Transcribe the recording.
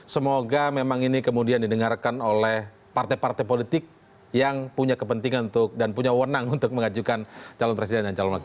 semoga memang ini kemudian didengarkan oleh partai partai politik yang punya kepentingan untuk dan punya wanang untuk mengajukan calon presiden dan calon wakil